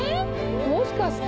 もしかして。